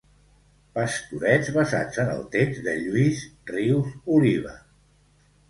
Pastorets basats en el text de Lluís Rius Oliva.